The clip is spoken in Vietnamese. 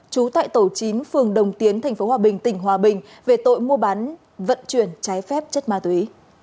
trú tại tàu chín phường đồng tiến tp hcm tỉnh hòa bình về tội mua bán vận chuyển trái phép chất ma túy